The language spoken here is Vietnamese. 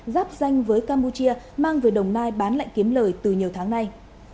giáp danh với campuchia mang về đồng nai bán lại kiếm lời từ nhiều tháng nay